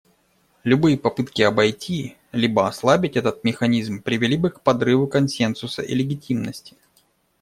Любые попытки обойти либо ослабить этот механизм привели бы к подрыву консенсуса и легитимности.